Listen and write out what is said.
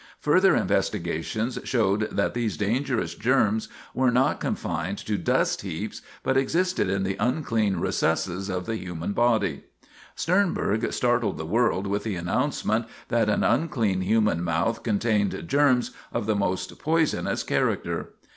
Further investigations showed that these dangerous germs were not confined to dust heaps, but existed in the unclean recesses of the human body. Sternberg startled the world with the announcement that an unclean human mouth contained germs of the most poisonous character.